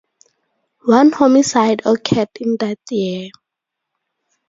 One homicide occurred in that year.